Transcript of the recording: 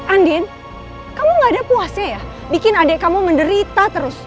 andin kamu gak ada puasnya ya bikin adik kamu menderita terus